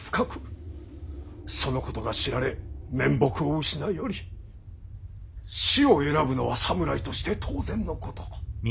そのことが知られ面目を失うより死を選ぶのは侍として当然のこと。